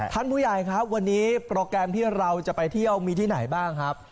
ท่านผู้ใหญ่ครับวันนี้โปรแกรมที่เราจะไปเที่ยวมีที่ไหนบ้างครับ